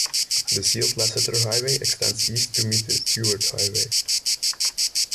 The sealed Lasseter Highway extends east to meet the Stuart Highway.